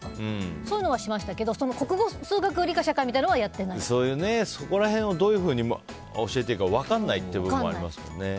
そういうのはしましたけど国語、数学、理科、社会とかはそこら辺をどういうふうに教えていいか分からないっていう部分もありますもんね。